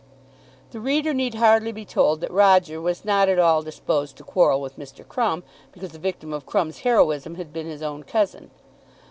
The reader need hardly be told that Roger was not at all disposed to quarrel with Mr. Crumb, because the victim of Crumb's heroism had been his own cousin.